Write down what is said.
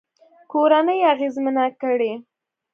کورنۍ يې اغېزمنې کړې